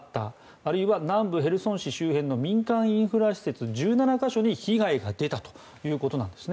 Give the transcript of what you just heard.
あるいは南部ヘルソン市周辺の民間インフラ施設１７か所に被害が出たということなんですね。